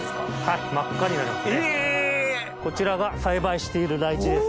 こちらが栽培しているライチです。